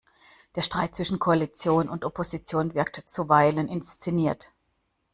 Der Streit zwischen Koalition und Opposition wirkt zuweilen inszeniert.